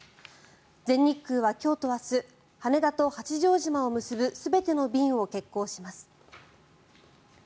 全日空は今日と明日羽田と八丈島を結ぶ全ての便を欠航します。